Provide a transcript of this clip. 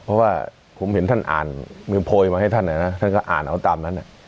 เพราะว่าผมเห็นท่านอ่านมือโพยมาให้ท่านนะท่านก็อ่านเอาตามนั้น